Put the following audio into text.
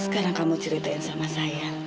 sekarang kamu ceritain sama saya